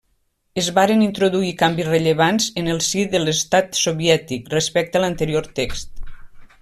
Es varen introduir canvis rellevants en el si de l'Estat Soviètic, respecte a l'anterior text.